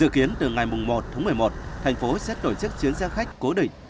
dự kiến từ ngày một tháng một mươi một thành phố sẽ tổ chức chuyến xe khách cố định